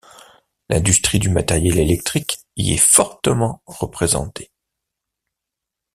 L'industrie du matériel électrique y est fortement représentée.